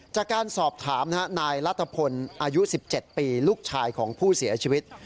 จากการสอบถามนายรัฐพลอายุ๑๗ปีลูกชายของผู้เสียชีวิต